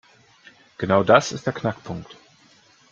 Genau das ist der Knackpunkt.